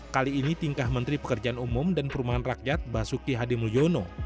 kali ini tingkah menteri pekerjaan umum dan perumahan rakyat basuki hadi mulyono